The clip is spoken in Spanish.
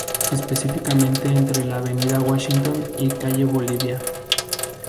Específicamente entre la Avenida Washington y Calle Bolivia.